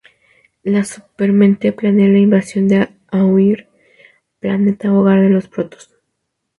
La Supermente planea la invasión de Aiur, planeta hogar de los Protoss.